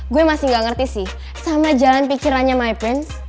gue masih gak ngerti sih sama jalan pikirannya my prince